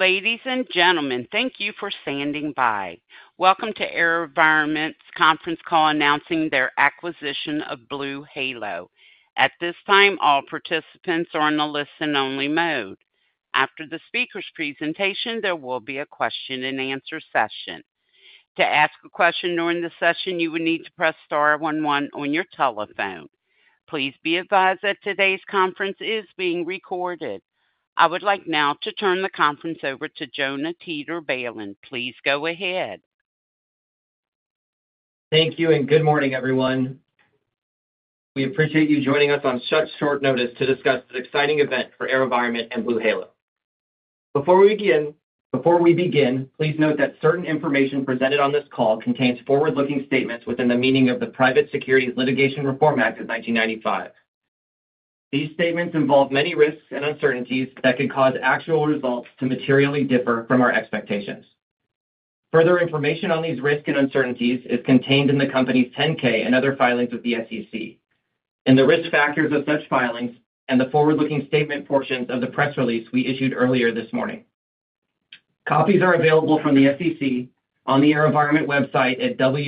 Ladies and gentlemen, thank you for standing by. Welcome to AeroVironment's conference call announcing their acquisition of BlueHalo. At this time, all participants are in a listen-only mode. After the speaker's presentation, there will be a question-and-answer session. To ask a question during the session, you will need to press star one one on your telephone. Please be advised that today's conference is being recorded. I would like now to turn the conference over to Jonah Teeter-Balin. Please go ahead. Thank you and good morning, everyone. We appreciate you joining us on such short notice to discuss this exciting event for AeroVironment and BlueHalo. Before we begin, please note that certain information presented on this call contains forward-looking statements within the meaning of the Private Securities Litigation Reform Act of 1995. These statements involve many risks and uncertainties that could cause actual results to materially differ from our expectations. Further information on these risks and uncertainties is contained in the company's 10-K and other filings with the SEC, in the risk factors of such filings, and the forward-looking statement portions of the press release we issued earlier this morning. Copies are available from the SEC on the AeroVironment website at www.avinc.com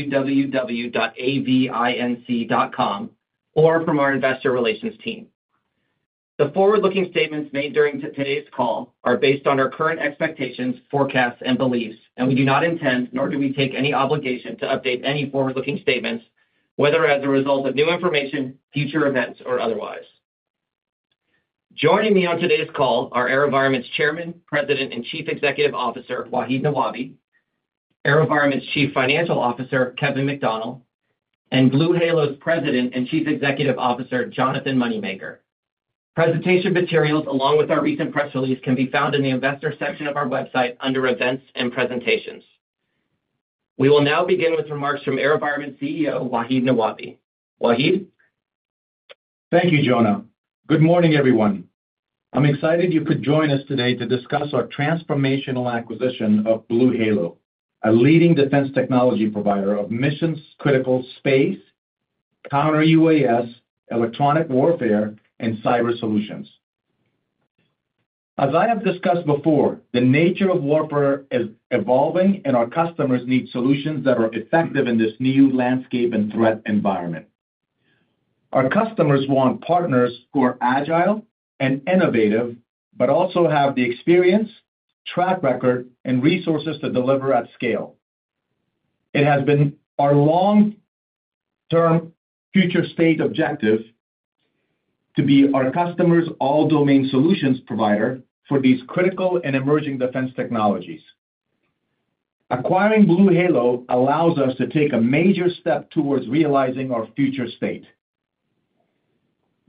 or from our investor relations team. The forward-looking statements made during today's call are based on our current expectations, forecasts, and beliefs, and we do not intend, nor do we take any obligation to update any forward-looking statements, whether as a result of new information, future events, or otherwise. Joining me on today's call are AeroVironment's Chairman, President, and Chief Executive Officer, Wahid Nawabi, AeroVironment's Chief Financial Officer, Kevin McDonnell, and BlueHalo's President and Chief Executive Officer, Jonathan Moneymaker. Presentation materials, along with our recent press release, can be found in the investor section of our website under Events and Presentations. We will now begin with remarks from AeroVironment CEO, Wahid Nawabi. Wahid? Thank you, Jonah. Good morning, everyone. I'm excited you could join us today to discuss our transformational acquisition of BlueHalo, a leading defense technology provider of mission-critical space, counter-UAS, electronic warfare, and cyber solutions. As I have discussed before, the nature of warfare is evolving, and our customers need solutions that are effective in this new landscape and threat environment. Our customers want partners who are agile and innovative, but also have the experience, track record, and resources to deliver at scale. It has been our long-term future state objective to be our customer's all-domain solutions provider for these critical and emerging defense technologies. Acquiring BlueHalo allows us to take a major step towards realizing our future state.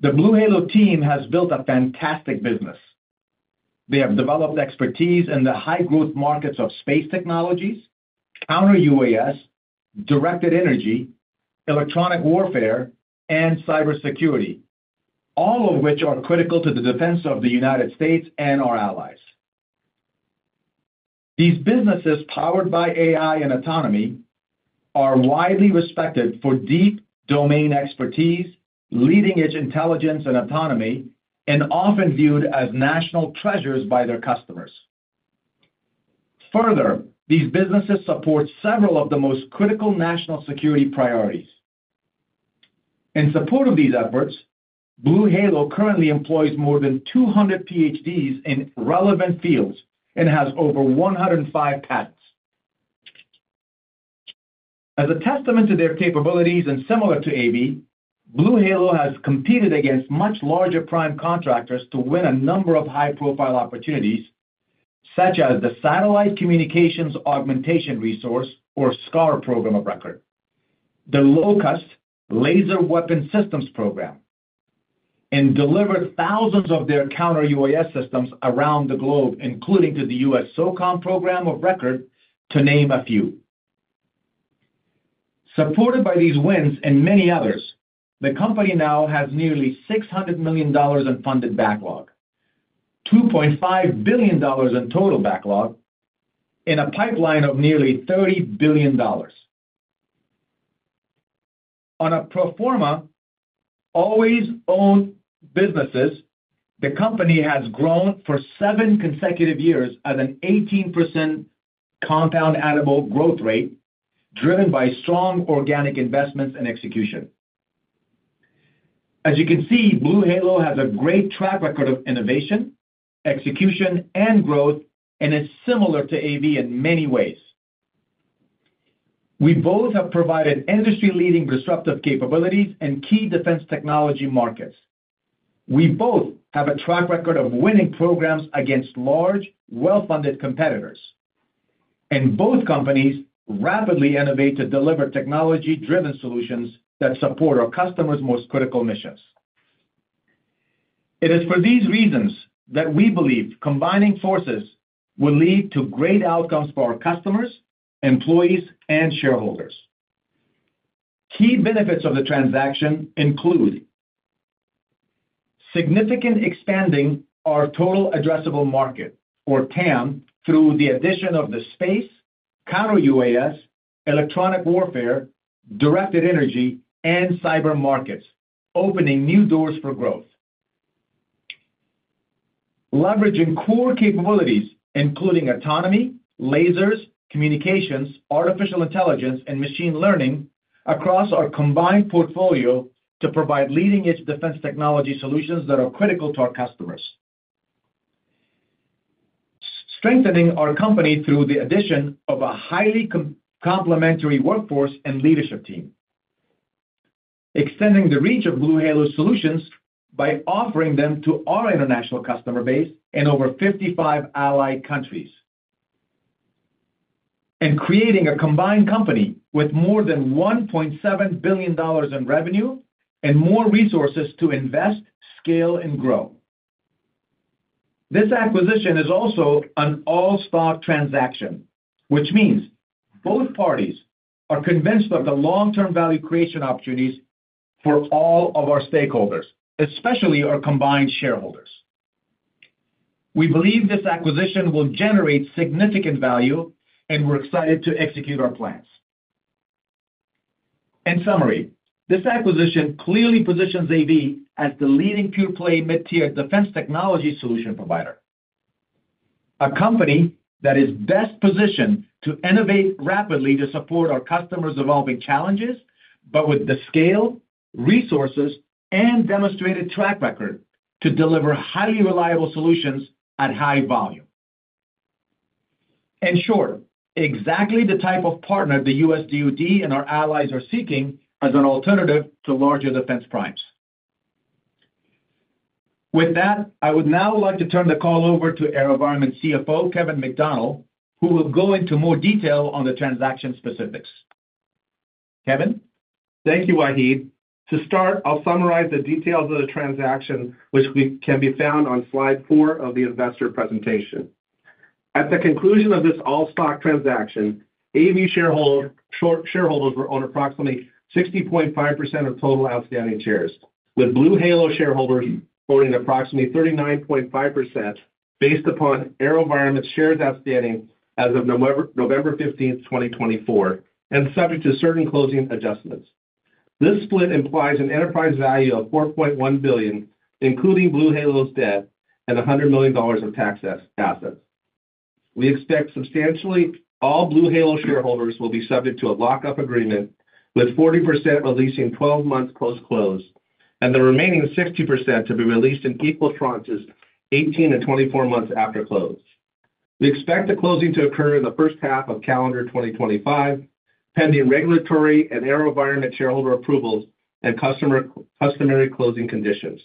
The BlueHalo team has built a fantastic business. They have developed expertise in the high-growth markets of space technologies, counter-UAS, directed energy, electronic warfare, and cybersecurity, all of which are critical to the defense of the United States and our allies. These businesses, powered by AI and autonomy, are widely respected for deep domain expertise, leading-edge intelligence and autonomy, and often viewed as national treasures by their customers. Further, these businesses support several of the most critical national security priorities. In support of these efforts, BlueHalo currently employs more than 200 PhDs in relevant fields and has over 105 patents. As a testament to their capabilities and similar to AV, BlueHalo has competed against much larger prime contractors to win a number of high-profile opportunities, such as the Satellite Communications Augmentation Resource, or SCAR, program of record, the LOCUST Laser Weapon Systems program, and delivered thousands of their counter-UAS systems around the globe, including to the U.S. SOCOM program of record, to name a few. Supported by these wins and many others, the company now has nearly $600 million in funded backlog, $2.5 billion in total backlog, and a pipeline of nearly $30 billion. On a pro forma, always owned businesses, the company has grown for seven consecutive years at an 18% compound annual growth rate, driven by strong organic investments and execution. As you can see, BlueHalo has a great track record of innovation, execution, and growth, and is similar to AV in many ways. We both have provided industry-leading disruptive capabilities in key defense technology markets. We both have a track record of winning programs against large, well-funded competitors, and both companies rapidly innovate to deliver technology-driven solutions that support our customers' most critical missions. It is for these reasons that we believe combining forces will lead to great outcomes for our customers, employees, and shareholders. Key benefits of the transaction include significant expanding of our total addressable market, or TAM, through the addition of the space, counter-UAS, electronic warfare, directed energy, and cyber markets, opening new doors for growth. Leveraging core capabilities, including autonomy, lasers, communications, artificial intelligence, and machine learning across our combined portfolio to provide leading-edge defense technology solutions that are critical to our customers. Strengthening our company through the addition of a highly complementary workforce and leadership team. Extending the reach of BlueHalo's solutions by offering them to our international customer base in over 55 allied countries, and creating a combined company with more than $1.7 billion in revenue and more resources to invest, scale, and grow. This acquisition is also an all-stock transaction, which means both parties are convinced of the long-term value creation opportunities for all of our stakeholders, especially our combined shareholders. We believe this acquisition will generate significant value, and we're excited to execute our plans. In summary, this acquisition clearly positions AV as the leading pure-play mid-tier defense technology solution provider. A company that is best positioned to innovate rapidly to support our customers' evolving challenges, but with the scale, resources, and demonstrated track record to deliver highly reliable solutions at high volume. In short, exactly the type of partner the U.S. DoD and our allies are seeking as an alternative to larger defense primes. With that, I would now like to turn the call over to AeroVironment CFO, Kevin McDonnell, who will go into more detail on the transaction specifics. Kevin. Thank you, Wahid. To start, I'll summarize the details of the transaction, which can be found on slide four of the investor presentation. At the conclusion of this all-stock transaction, AV shareholders will own approximately 60.5% of total outstanding shares, with BlueHalo shareholders holding approximately 39.5% based upon AeroVironment's shares outstanding as of November 15th, 2024, and subject to certain closing adjustments. This split implies an enterprise value of $4.1 billion, including BlueHalo's debt and $100 million of tax assets. We expect substantially all BlueHalo shareholders will be subject to a lock-up agreement, with 40% releasing 12 months post-close and the remaining 60% to be released in equal tranches 18 and 24 months after close. We expect the closing to occur in the first half of calendar 2025, pending regulatory and AeroVironment shareholder approvals and customary closing conditions.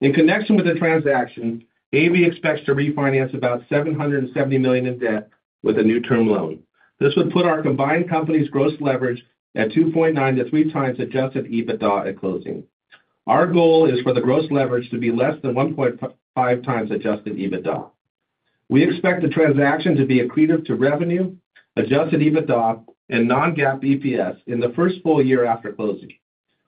In connection with the transaction, AV expects to refinance about $770 million in debt with a new term loan. This would put our combined company's gross leverage at 2.9x-3x Adjusted EBITDA at closing. Our goal is for the gross leverage to be less than 1.5x Adjusted EBITDA. We expect the transaction to be accretive to revenue, Adjusted EBITDA, and Non-GAAP EPS in the first full year after closing.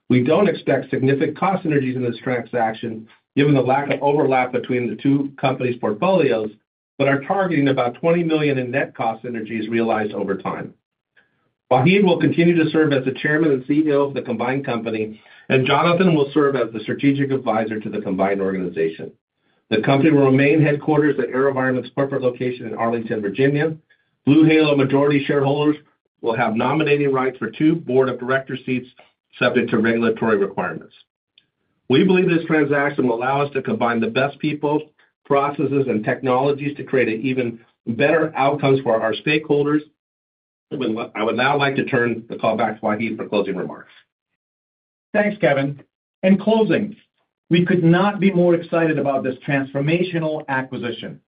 We don't expect significant cost synergies in this transaction given the lack of overlap between the two companies' portfolios, but are targeting about $20 million in net cost synergies realized over time. Wahid will continue to serve as the Chairman and CEO of the combined company, and Jonathan will serve as the Strategic Advisor to the combined organization. The company will remain headquartered at AeroVironment's corporate location in Arlington, Virginia. BlueHalo majority shareholders will have nominating rights for two board of director seats subject to regulatory requirements. We believe this transaction will allow us to combine the best people, processes, and technologies to create even better outcomes for our stakeholders. I would now like to turn the call back to Wahid for closing remarks. Thanks, Kevin. In closing, we could not be more excited about this transformational acquisition.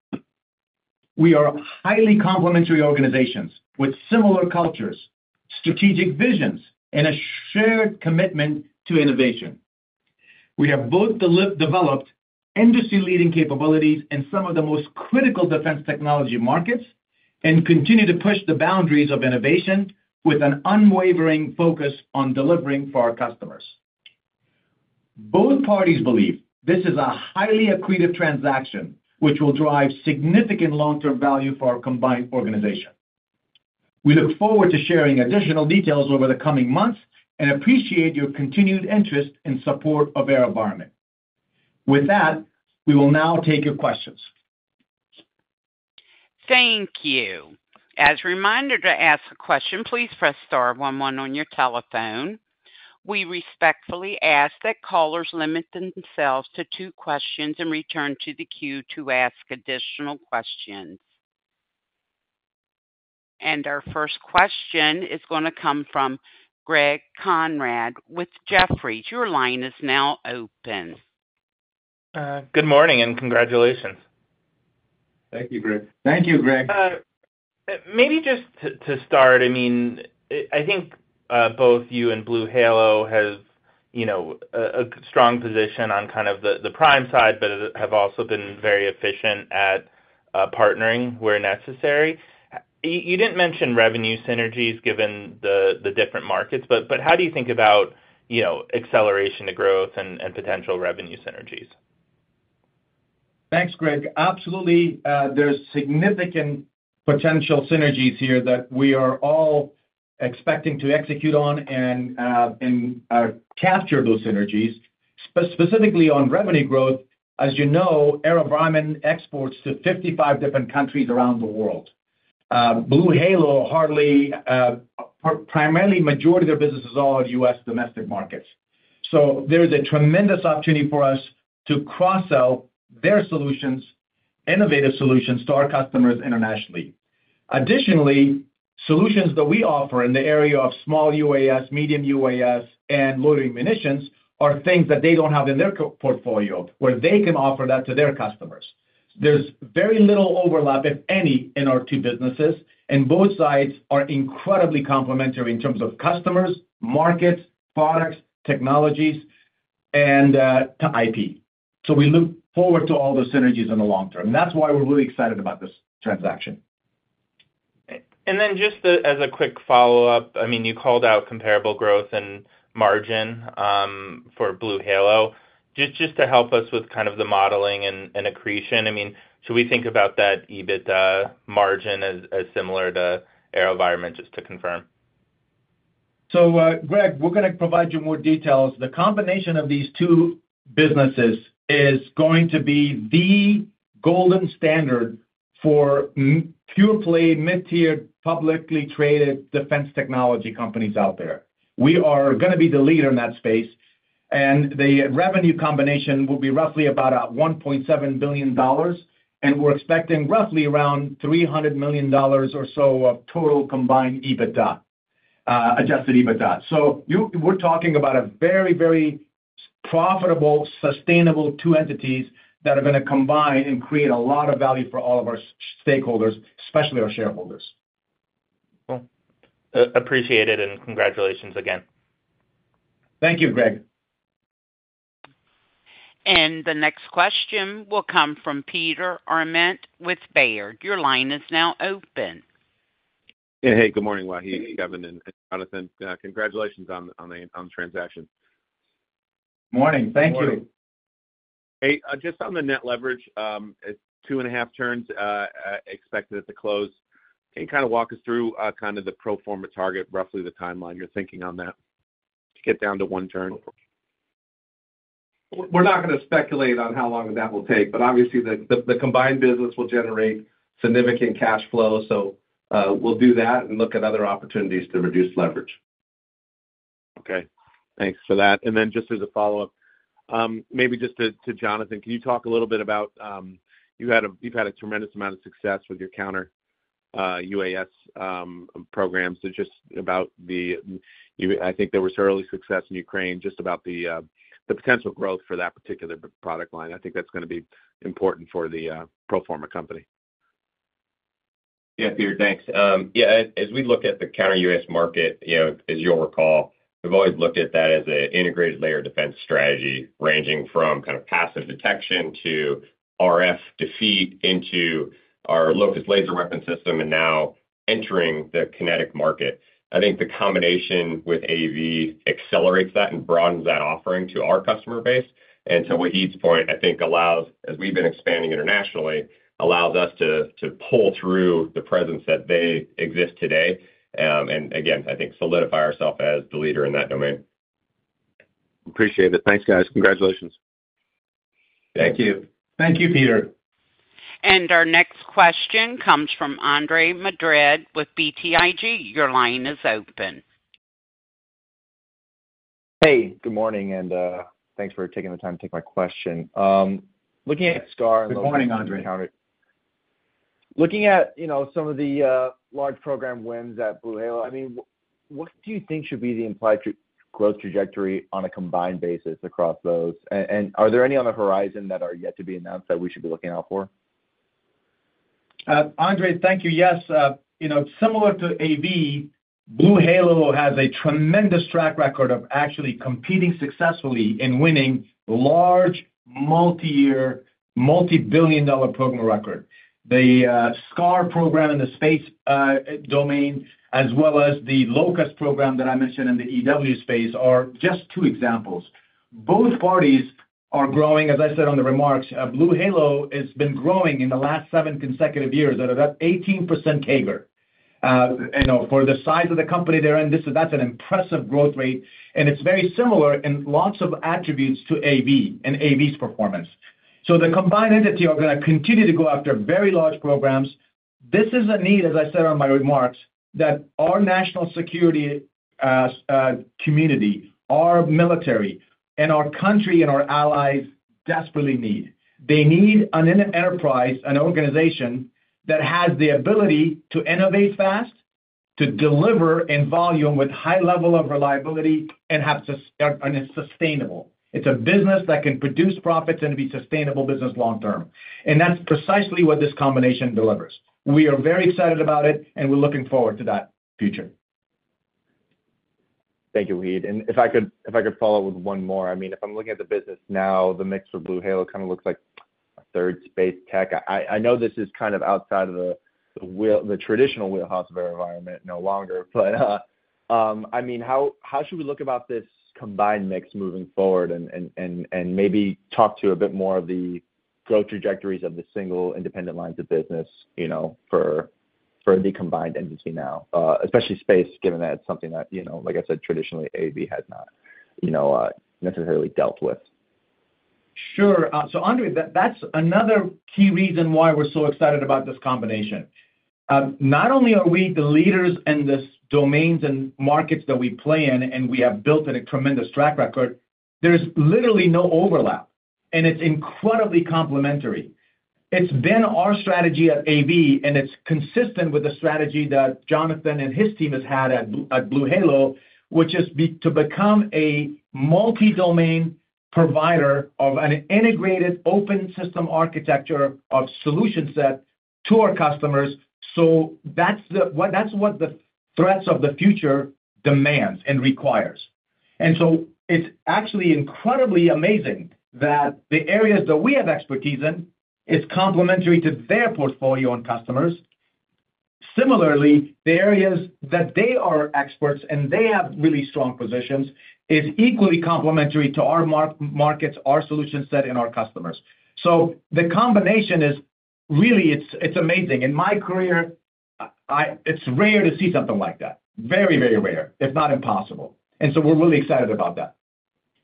We are highly complementary organizations with similar cultures, strategic visions, and a shared commitment to innovation. We have both developed industry-leading capabilities in some of the most critical defense technology markets and continue to push the boundaries of innovation with an unwavering focus on delivering for our customers. Both parties believe this is a highly accretive transaction, which will drive significant long-term value for our combined organization. We look forward to sharing additional details over the coming months and appreciate your continued interest and support of AeroVironment. With that, we will now take your questions. Thank you. As a reminder to ask a question, please press star one one on your telephone. We respectfully ask that callers limit themselves to two questions and return to the queue to ask additional questions. And our first question is going to come from Greg Konrad with Jefferies. Your line is now open. Good morning and congratulations. Thank you, Greg. Thank you, Greg. Maybe just to start, I mean, I think both you and BlueHalo have a strong position on kind of the prime side, but have also been very efficient at partnering where necessary. You didn't mention revenue synergies given the different markets, but how do you think about acceleration to growth and potential revenue synergies? Thanks, Greg. Absolutely. There's significant potential synergies here that we are all expecting to execute on and capture those synergies, specifically on revenue growth. As you know, AeroVironment exports to 55 different countries around the world. BlueHalo primarily. Majority of their business is all U.S. domestic markets. So there is a tremendous opportunity for us to cross-sell their solutions, innovative solutions to our customers internationally. Additionally, solutions that we offer in the area of small UAS, medium UAS, and loitering munitions are things that they don't have in their portfolio where they can offer that to their customers. There's very little overlap, if any, in our two businesses, and both sides are incredibly complementary in terms of customers, markets, products, technologies, and IP. So we look forward to all those synergies in the long term. That's why we're really excited about this transaction. Just as a quick follow-up, I mean, you called out comparable growth and margin for BlueHalo. Just to help us with kind of the modeling and accretion, I mean, should we think about that EBITDA margin as similar to AeroVironment, just to confirm? So Greg, we're going to provide you more details. The combination of these two businesses is going to be the golden standard for pure-play mid-tier publicly traded defense technology companies out there. We are going to be the leader in that space, and the revenue combination will be roughly about $1.7 billion, and we're expecting roughly around $300 million or so of total combined EBITDA, adjusted EBITDA. So we're talking about a very, very profitable, sustainable two entities that are going to combine and create a lot of value for all of our stakeholders, especially our shareholders. Cool. Appreciate it, and congratulations again. Thank you, Greg. The next question will come from Peter Arment with Baird. Your line is now open. Hey, good morning, Wahid, Kevin, and Jonathan. Congratulations on the transaction. Morning. Thank you. Hey, just on the net leverage, two and a half turns expected at the close. Can you kind of walk us through kind of the pro forma target, roughly the timeline you're thinking on that to get down to one turn? We're not going to speculate on how long that will take, but obviously, the combined business will generate significant cash flow. So we'll do that and look at other opportunities to reduce leverage. Okay. Thanks for that. And then just as a follow-up, maybe just to Jonathan, can you talk a little bit about you've had a tremendous amount of success with your counter-UAS programs. Just about the, I think there was early success in Ukraine, just about the potential growth for that particular product line. I think that's going to be important for the pro forma company. Yeah, Peter, thanks. Yeah, as we look at the counter-UAS market, as you'll recall, we've always looked at that as an integrated layer of defense strategy ranging from kind of passive detection to RF defeat into our LOCUST laser weapon system and now entering the kinetic market. I think the combination with AV accelerates that and broadens that offering to our customer base. And to Wahid's point, I think allows, as we've been expanding internationally, allows us to pull through the presence that they exist today. And again, I think solidify ourselves as the leader in that domain. Appreciate it. Thanks, guys. Congratulations. Thank you. Thank you, Peter. And our next question comes from Andre Madrid with BTIG. Your line is open. Hey, good morning, and thanks for taking the time to take my question. Looking at SCAR and. Good morning, Andre. Looking at some of the large program wins at BlueHalo, I mean, what do you think should be the implied growth trajectory on a combined basis across those? And are there any on the horizon that are yet to be announced that we should be looking out for? Andre, thank you. Yes, similar to AV, BlueHalo has a tremendous track record of actually competing successfully in winning large, multi-year, multi-billion-dollar programs of record. The SCAR program in the space domain, as well as the LOCUST program that I mentioned in the EW space, are just two examples. Both parties are growing, as I said in the remarks. BlueHalo has been growing in the last seven consecutive years at about 18% CAGR for the size of the company they're in. That's an impressive growth rate, and it's very similar in lots of attributes to AV and AV's performance. So the combined entity are going to continue to go after very large programs. This is a need, as I said in my remarks, that our national security community, our military, and our country and our allies desperately need. They need an enterprise, an organization that has the ability to innovate fast, to deliver in volume with high level of reliability, and have to be sustainable. It's a business that can produce profits and be a sustainable business long term, and that's precisely what this combination delivers. We are very excited about it, and we're looking forward to that future. Thank you, Wahid. If I could follow up with one more, I mean, if I'm looking at the business now, the mix for BlueHalo kind of looks like 30% space tech. I know this is kind of outside of the traditional wheelhouse of AeroVironment no longer, but I mean, how should we look about this combined mix moving forward and maybe talk to a bit more of the growth trajectories of the single independent lines of business for the combined entity now, especially space, given that it's something that, like I said, traditionally AV has not necessarily dealt with. Sure. So Andre, that's another key reason why we're so excited about this combination. Not only are we the leaders in these domains and markets that we play in, and we have built a tremendous track record, there's literally no overlap, and it's incredibly complementary. It's been our strategy at AV, and it's consistent with the strategy that Jonathan and his team have had at BlueHalo, which is to become a multi-domain provider of an integrated open system architecture of solution set to our customers. So that's what the threats of the future demands and requires. And so it's actually incredibly amazing that the areas that we have expertise in, it's complementary to their portfolio and customers. Similarly, the areas that they are experts and they have really strong positions is equally complementary to our markets, our solution set, and our customers. So the combination is really, it's amazing. In my career, it's rare to see something like that. Very, very rare, if not impossible, and so we're really excited about that.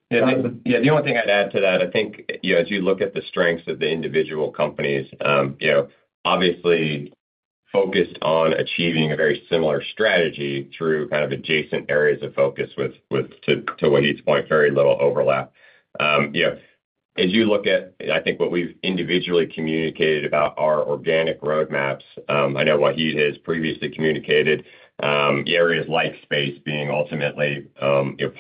Yeah, the only thing I'd add to that. I think as you look at the strengths of the individual companies, obviously focused on achieving a very similar strategy through kind of adjacent areas of focus to Wahid's point, very little overlap. As you look at, I think what we've individually communicated about our organic roadmaps, I know Wahid has previously communicated the areas like space being ultimately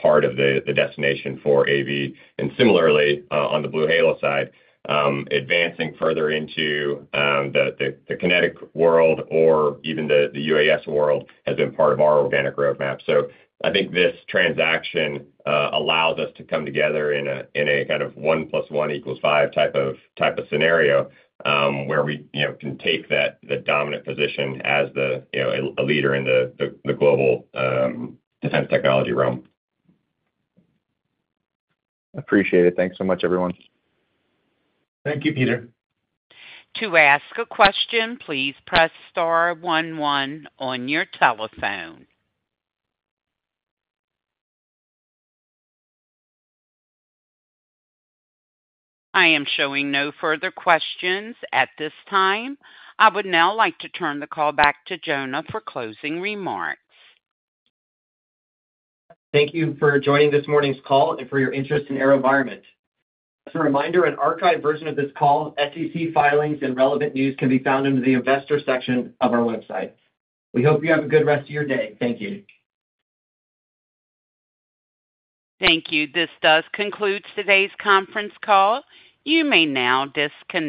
part of the destination for AV. And similarly, on the BlueHalo side, advancing further into the kinetic world or even the UAS world has been part of our organic roadmap. So I think this transaction allows us to come together in a kind of one plus one equals five type of scenario where we can take that dominant position as a leader in the global defense technology realm. Appreciate it. Thanks so much, everyone. Thank you, Peter. To ask a question, please press star one one on your telephone. I am showing no further questions at this time. I would now like to turn the call back to Jonah for closing remarks. Thank you for joining this morning's call and for your interest in AeroVironment. As a reminder, an archived version of this call, SEC filings, and relevant news can be found under the investor section of our website. We hope you have a good rest of your day. Thank you. Thank you. This does conclude today's conference call. You may now disconnect.